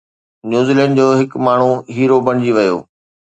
New Zealand جو هڪ ماڻهو هيرو بڻجي ويو